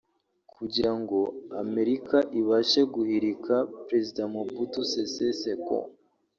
kugirango America ibashe guhirika president Mobutu Sese seko